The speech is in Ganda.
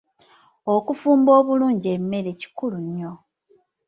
Okufumba obulungi emmere kikulu nnyo.